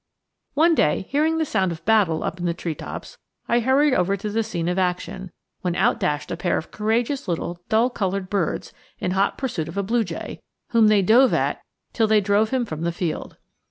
One day, hearing the sound of battle up in the treetops, I hurried over to the scene of action, when out dashed a pair of courageous little dull colored birds in hot pursuit of a blue jay, whom they dove at till they drove him from the field.